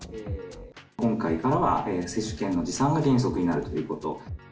今回からは接種券の持参が原則になるということ。